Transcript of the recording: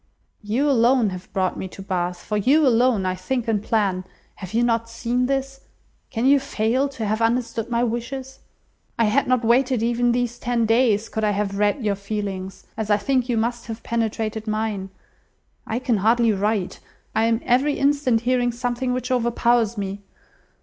You alone have brought me to Bath. For you alone, I think and plan. Have you not seen this? Can you fail to have understood my wishes? I had not waited even these ten days, could I have read your feelings, as I think you must have penetrated mine. I can hardly write. I am every instant hearing something which overpowers me.